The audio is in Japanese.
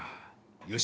よし。